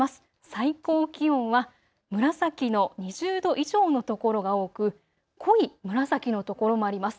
最高気温は紫の２０度以上のところが多く、濃い紫の所もあります。